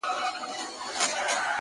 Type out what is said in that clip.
• د ګیلاس لوري د شراب او د مینا لوري ـ